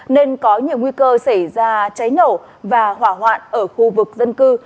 nên có nhiều nguy cơ xảy ra cháy nổ và hỏa hoạn ở khu vực dân cư